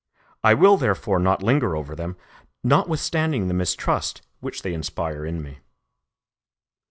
I will therefore not linger over them, notwithstanding the mistrust which they inspire in me.